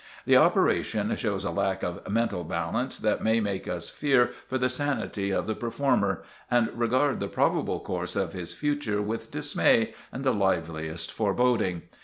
The operation shows a lack of mental balance that may make us fear for the sanity of the performer, and regard the probable course of his future with dismay and the liveliest foreboding.